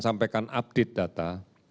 sampaikan update data